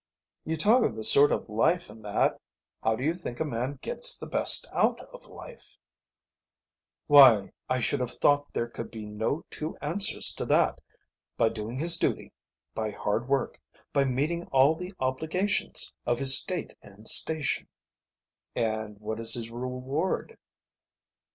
"You talk of this sort of life and that. How do you think a man gets the best out of life?" "Why, I should have thought there could be no two answers to that. By doing his duty, by hard work, by meeting all the obligations of his state and station." "And what is his reward?"